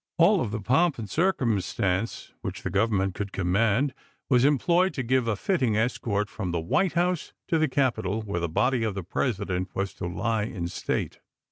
All of the pomp and circumstance which the Government could command was em ployed to give a fitting escort from the White House to the Capitol, where the body of the Presi dent was to lie in state.